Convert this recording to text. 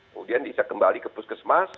kemudian bisa kembali ke puskesmas